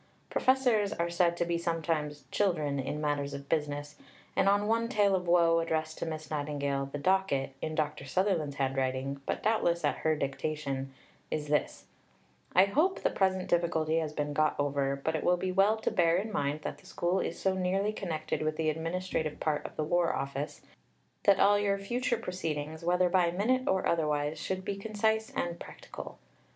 Professors are said to be sometimes "children" in matters of business; and on one tale of woe addressed to Miss Nightingale, the docket (in Dr. Sutherland's handwriting, but doubtless at her dictation) is this: "I hope the present difficulty has been got over, but it will be well to bear in mind that the School is so nearly connected with the administrative part of the War Office, that all your future proceedings, whether by minute or otherwise, should be concise and practical."